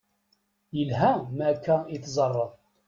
Yelha ma akka i teẓẓareḍ.